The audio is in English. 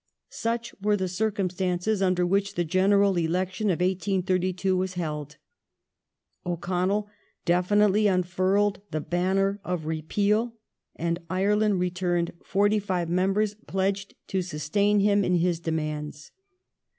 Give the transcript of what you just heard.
Such were the circumstances under which the General Election of 1832 was held. O'Connell definitely unfurled the banner of Repeal, and Ireland returned forty five members pledged to sustain him in his demands.